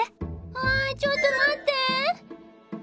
あちょっと待って。